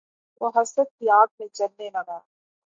وہ حسد کی آگ میں جلنے لگا